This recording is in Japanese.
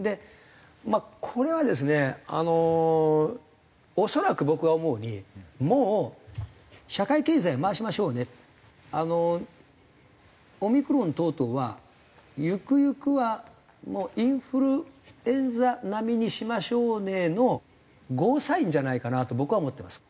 まあこれはですねあの恐らく僕が思うにもう社会経済を回しましょうねオミクロン等々はゆくゆくはもうインフルエンザ並みにしましょうねのゴーサインじゃないかなと僕は思ってます。